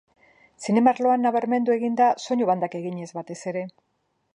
Zinema arloan nabarmendu egin da soinu bandak eginez, batez ere.